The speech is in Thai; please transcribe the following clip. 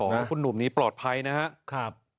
คุณหนุ่มนี้ปลอดภัยนะครับ